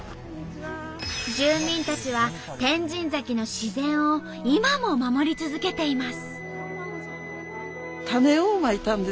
住民たちは天神崎の自然を今も守り続けています。